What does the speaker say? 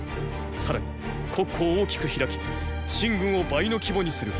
さらに国庫を大きく開き秦軍を倍の規模にする。